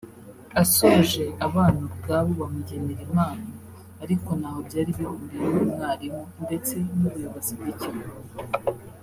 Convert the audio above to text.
asoje abana ubwabo bamugenera impano ariko ntaho byari bihuriye n’umwarimu ndetse n’ubuyobozi bw’ikigo